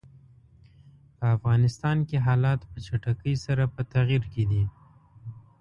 په افغانستان کې حالات په چټکۍ سره په تغییر کې دي.